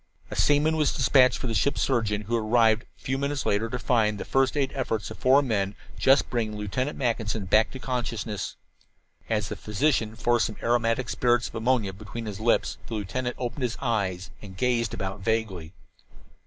A seaman was dispatched for the ship's surgeon, who arrived a few minutes later to find the first aid efforts of the four men just bringing Lieutenant Mackinson back to consciousness. As the physician forced some aromatic spirits of ammonia between his lips the lieutenant opened his eyes and gazed about vaguely.